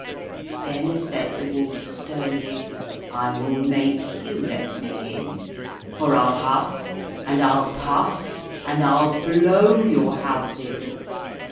Then said the wolf sternly: "I will make you let me in; for I'll huff, and I'll puff, and I'll blow your house in!"